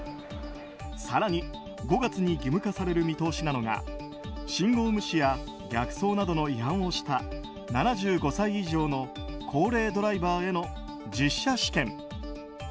更に５月に義務化される見通しなのが信号無視や逆走などの違反をした７５歳以上の高齢ドライバーへの実車試験。